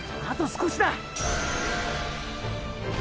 あと少しだ！